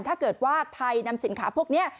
ถ้าเกิดว่าไทยนำสินค้าพวกนี้